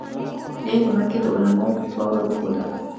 بیا یې د مکې د علماوو فتوا ور وښوده.